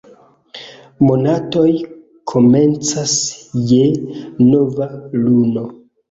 Monatoj komencas je nova luno.